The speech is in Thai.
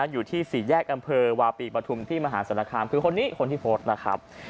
อยู่ที่สี่แยกอำเภอวาปีปฐุมที่มหาศาลคามคือคนนี้คนที่โพสต์นะครับ